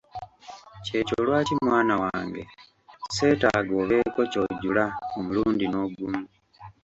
ky’ekyo lwaki mwana wange seetaaga obeeko ky'ojula omulundi n’ogumu.